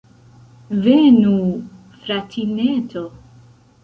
Venu, fratineto!